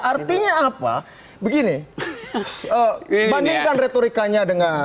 artinya apa begini bandingkan retorikanya dengan